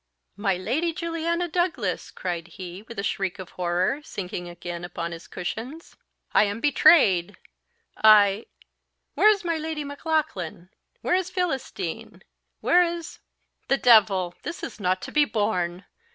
"My Lady Juliana Douglas!" cried he, with a shriek of horror, sinking again upon his cushions. "I am betrayed I Where is my Lady Maclaughlan? Where is Philistine? Where is the devil! This is not to be borne!